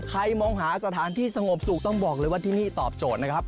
มองหาสถานที่สงบสุขต้องบอกเลยว่าที่นี่ตอบโจทย์นะครับ